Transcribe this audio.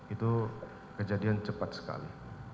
itu kejadian cepat sekali